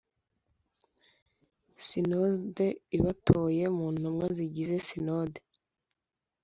Sinode ibatoye mu ntumwa zigize Sinode